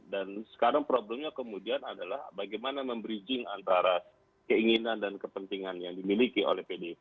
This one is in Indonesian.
dan sekarang problemnya kemudian adalah bagaimana membridging antara keinginan dan kepentingan yang dimiliki oleh pdip